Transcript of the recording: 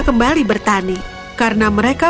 urg mill abbiamo dan juga beng girsky